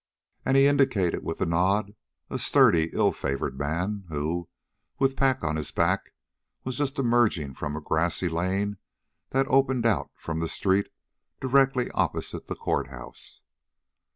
And he indicated with a nod a sturdy, ill favored man, who, with pack on his back, was just emerging from a grassy lane that opened out from the street directly opposite the court house.